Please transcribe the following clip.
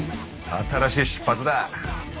新しい出発だ。